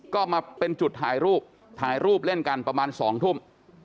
ก็มาเป็นจุดถ่ายรูปถ่ายรูปเล่นกันประมาณ๒ทุ่ม